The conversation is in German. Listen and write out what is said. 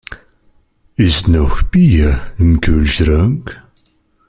Ist noch Bier im Kühlschrank?